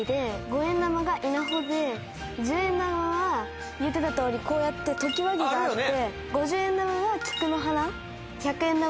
１０円玉は言ってた通りこうやって常盤木があって。